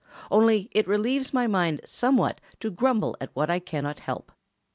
Only it relieves my mind somewhat to grumble at what I cannot help.